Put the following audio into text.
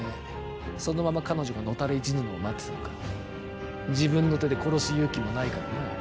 そのまま彼女が野垂れ死ぬのを待ってたのか自分の手で殺す勇気もないからな